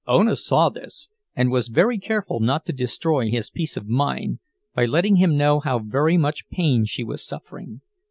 Ona saw this, and was very careful not to destroy his peace of mind, by letting him know how very much pain she was suffering.